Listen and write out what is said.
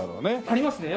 ありますね。